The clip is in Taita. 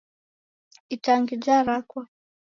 Itangi jarakwa.